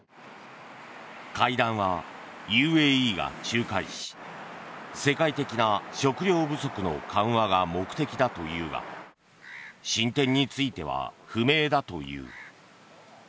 会談はＵＡＥが仲介し世界的な食料不足の緩和が目的だというが進展については不明だという。